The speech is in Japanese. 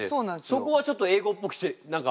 そこはちょっと英語っぽく何か。